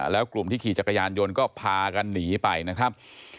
แล้วกลุ่มที่ขี่จักรยานยนต์ก็พากันหนีไปนะครับ